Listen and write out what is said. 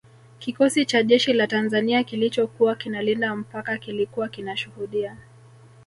Kikosi cha jeshi la Tanzania kilichokuwa kinalinda mpaka kilikuwa kinashuhudia